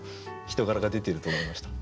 人柄が出ていると思いました。